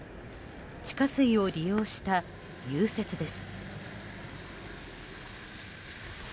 地下水を利用した融雪です。